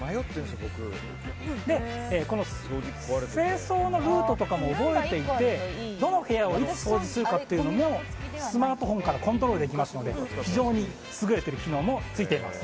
清掃のルートとかも覚えていてどの部屋をいつ掃除するかというのもスマートフォンからコントロールできますので優れた機能もついています。